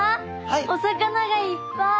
お魚がいっぱい！